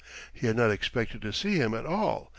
He had not expected to see him at all.